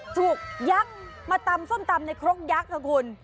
ยักษ์มาตำส้มตำในครกยักษ์ค่ะคุณ